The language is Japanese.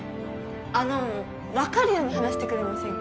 あの分かるように話してくれませんか？